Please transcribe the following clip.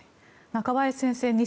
中林先生